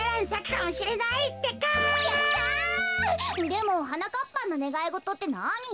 でもはなかっぱんのねがいごとってなに？